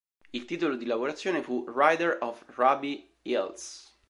Il titolo di lavorazione fu "Rider of Ruby Hills".